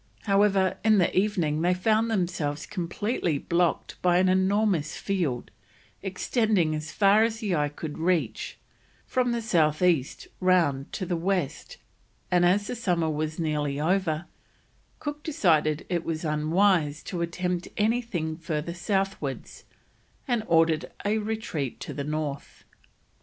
However, in the evening they found themselves completely blocked by an enormous field, extending, as far as the eye could reach, from the south east round to the west; and as the summer was nearly over, Cook decided it was unwise to attempt anything further southwards, and ordered a retreat to the north.